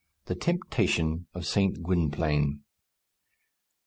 THE TEMPTATION OF ST. GWYNPLAINE.